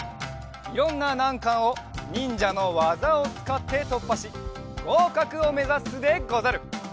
いろんななんかんをにんじゃのわざをつかってとっぱしごうかくをめざすでござる！